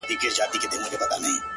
ځكه چي دا خو د تقدير فيصله;